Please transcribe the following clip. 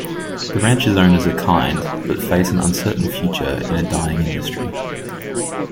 The ranch's owners are kind but face an uncertain future in a dying industry.